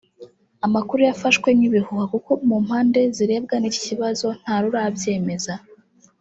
amakuru yafashwe nk’ibihuha kuko mu mpande zirebwa n’iki kibazo ntarurabyemeza